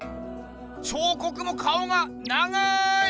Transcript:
彫刻も顔が長い！